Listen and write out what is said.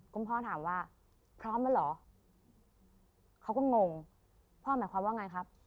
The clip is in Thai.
คุณพ่อถามว่าพร้อมแล้วเหรอเขาก็งงพ่อหมายความว่าไงครับ